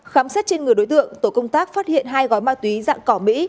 khám xét trên người đối tượng tổ công tác phát hiện hai gói ma túy dạng cỏ mỹ